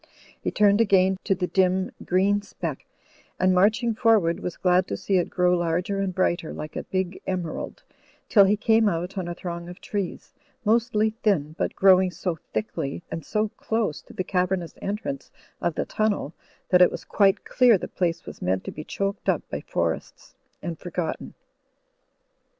He turned again to the dim green speck, and marching forward was glad to see it grow larger and brighter, like a big emerald, till he came out on a \throng of trees, mostly thin, but growing so thickly //and so dose to the cavernous entrance of the timnd that it was quite dear the place was meant to be choked up by forests and forgotten.